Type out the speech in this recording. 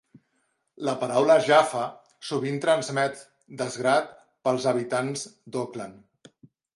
La paraula Jafa sovint transmet desgrat pels habitants d'Auckland.